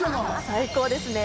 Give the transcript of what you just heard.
最高ですね。